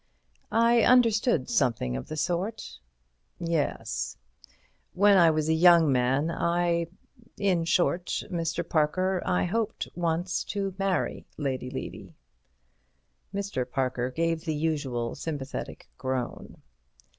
"I understood something of the sort." "Yes. When I was a young man I—in short, Mr. Parker, I hoped once to marry Lady Levy." (Mr. Parker gave the usual sympathetic groan.)